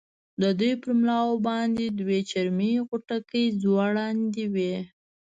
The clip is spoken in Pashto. د دوی پر ملاو باندې دوې چرمي غوټکۍ ځوړندې وې.